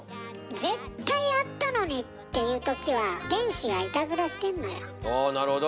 絶対あったのに！っていうときはああなるほど。